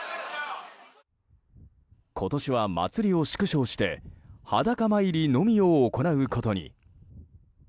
今年は祭りを縮小して裸参りのみを行うことに。